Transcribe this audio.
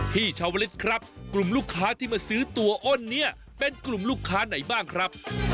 ชาวลิศครับกลุ่มลูกค้าที่มาซื้อตัวอ้นเนี่ยเป็นกลุ่มลูกค้าไหนบ้างครับ